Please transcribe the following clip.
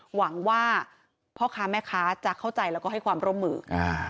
หวังว่าพ่อค้าแม่ค้าจะเข้าใจแล้วก็ให้ความร่วมมืออ่า